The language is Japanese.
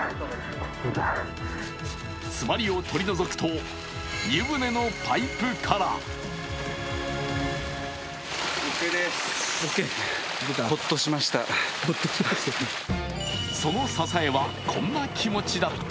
詰まりを取り除くと、湯船のパイプからその支えは、こんな気持ちだった